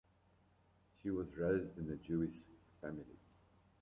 She was raised in a Jewish family.